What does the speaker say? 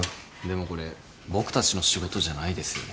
でもこれ僕たちの仕事じゃないですよね。